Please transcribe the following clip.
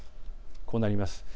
こうなります。